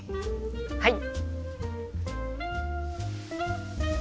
はい！